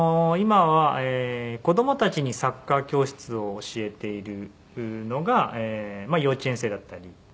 今は子供たちにサッカー教室を教えているのが幼稚園生だったり。